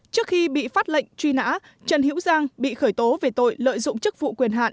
trước khi bị phát lệnh truy nã trần hiễu giang bị khởi tố về tội lợi dụng chức vụ quyền hạn